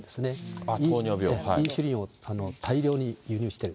インシュリンを大量に輸入してる。